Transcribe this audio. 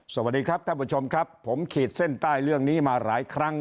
สวัสดีครับท่านผู้ชมครับผมขีดเส้นใต้เรื่องนี้มาหลายครั้ง